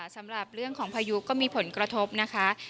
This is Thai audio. สำหรับเรื่องของพายุก็มีผลกระทบนะคะ